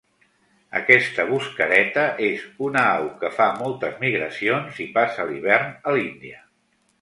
Aquesta busquereta és una au que fa moltes migracions i passa l'hivern a l'Índia.